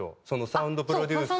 サウンドプロデュース